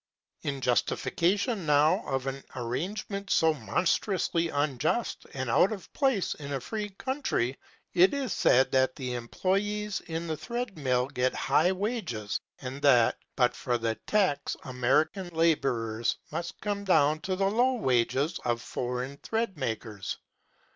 In justification, now, of an arrangement so monstrously unjust and out of place in a free country, it is said that the employ├®s in the thread mill get high wages, and that, but for the tax, American laborers must come down to the low wages of foreign thread makers.